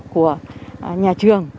của nhà trường